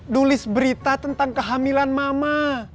tulis berita tentang kehamilan mama